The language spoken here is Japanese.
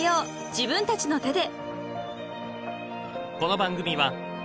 自分たちの手で］